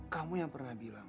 kamu yang pernah bilang